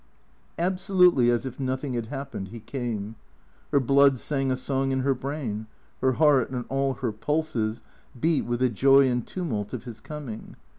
Absolutely as if nothing had happened, he came. Her blood sang a song in her brain ; her heart and all her pulses beat with the joy and tumult of his coming.